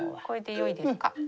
これでよいですか？